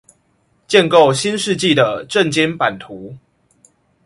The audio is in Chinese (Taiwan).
構建新世紀的政經版圖